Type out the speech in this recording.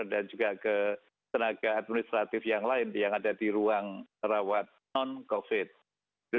dan juga ke tenaga administratif yang lain yang ada di ruang rawat non covid